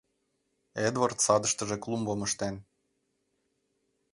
Эдвард садыштыже клумбым ыштен.